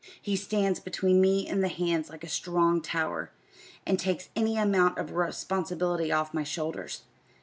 He stands between me and the hands like a strong tower, and takes any amount of responsibility off my shoulders.